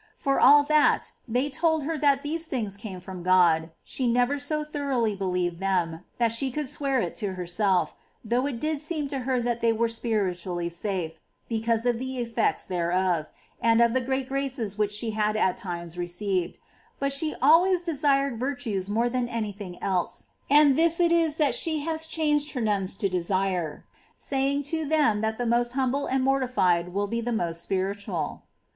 For all that they told her that these things came from God, she never so thoroughly believed them that she could swear to it herself, though it did seem to her that they were spiritually safe, because of the effects thereof, and of the great graces which she at times received ; but she always desired virtues more than any thing else ; and this it is that she has charged her nuns to desire, saying to them that the most humble and mortified will be the most spiritual.